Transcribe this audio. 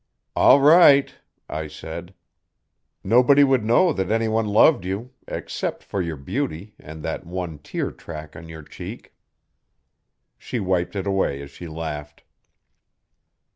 'All right,' I said. 'Nobody would know that anyone loved you except for your beauty and that one tear track on your cheek.' She wiped it away as she laughed.